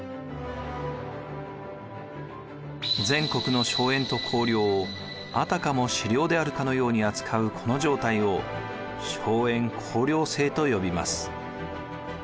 全国の荘園と公領をあたかも私領であるかのように扱うこの状態を荘園公領制と呼びます。